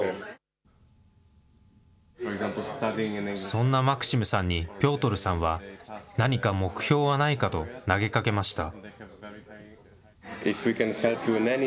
そんなマクシムさんにピョートルさんは、何か目標はないかと投げかけました。